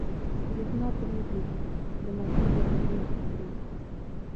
برېښنا پريزې د ماشوم نه پټې کړئ.